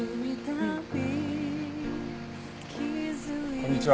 こんにちは。